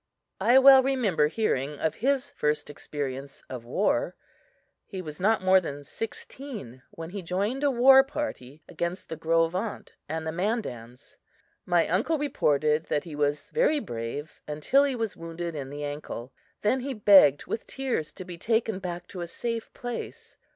I well remember hearing of his first experience of war. He was not more than sixteen when he joined a war party against the Gros Ventres and Mandans. My uncle reported that he was very brave until he was wounded in the ankle; then he begged with tears to be taken back to a safe place.